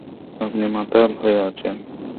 আপনি মাতাল হয়ে আছেন।